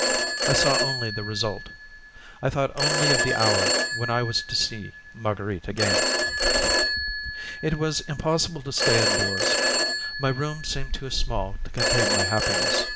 I saw only the result, I thought only of the hour when I was to see Marguerite again. It was impossible to stay indoors. My room seemed too small to contain my happiness.